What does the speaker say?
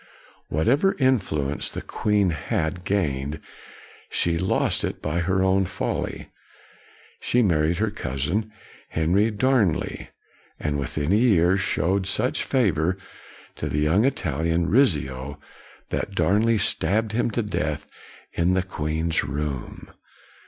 Whatever influence the queen had gained, she lost it by her own folly. She married her cousin, Henry Darnley, and within a year showed such favor to a young Italian, Rizzio, that Darnley stabbed him to death in the queen's room.